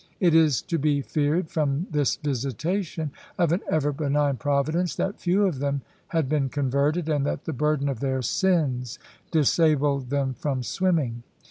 It is to be feared, from this visitation of an ever benign Providence, that few of them had been converted, and that the burden of their sins disabled them from swimming.